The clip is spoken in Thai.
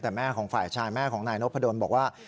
แต่แม่ของฝ่ายชายแม่ของนายนพดลบอกว่า